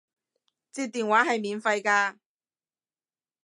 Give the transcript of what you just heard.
接電話係免費㗎